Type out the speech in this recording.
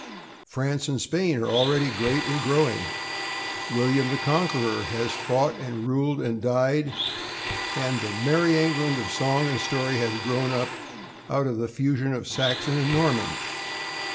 France and Spain are already great and growing. William the Conqueror has fought and ruled and died, and the "Merry England" of song and story has grown up out of the fusion of Saxon and Norman.